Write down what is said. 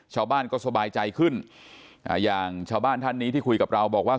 ชาวบ้านก็สบายใจขึ้นอย่างชาวบ้านท่านนี้ที่คุยกับเราบอกว่า